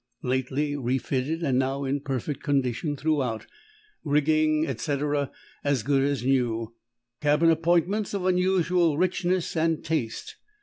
Lately refitted and now in perfect condition throughout. Rigging, etc., as good as new. Cabin appointments of unusual richness and taste.